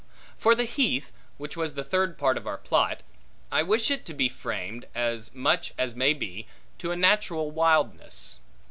For the heath, which was the third part of our plot, I wish it to be framed, as much as may be, to a natural wildness.